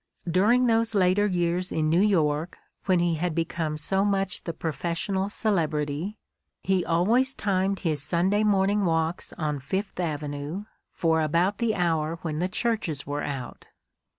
During those later years in New York, when he had Hecome so much the professional celebrity, he always timed his Sunday morn ing walks on Fifth Avenue for about the hour when the churches were out.